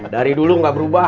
dari dulu gak berubah